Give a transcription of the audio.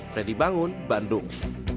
fredy bangun bandung